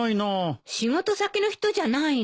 仕事先の人じゃないの？